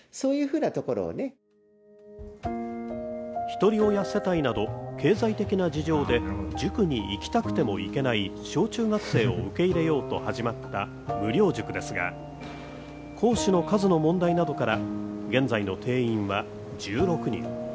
ひとり親世帯など経済的な事情で塾に行きたくても行けない小中学生を受け入れようと始まった無料塾ですが、講師の数の問題などから現在の定員は１６人。